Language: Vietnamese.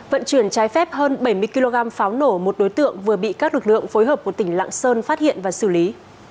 vận chuyển trái phép hơn bảy mươi kg pháo nổ một đối tượng vừa bị các lực lượng phối hợp của tỉnh lạng sơn phát hiện và xử lý